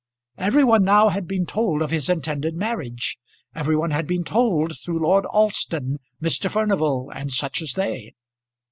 Every one now had been told of his intended marriage; every one had been told through Lord Alston, Mr. Furnival, and such as they.